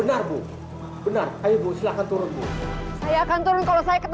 anakku ya allah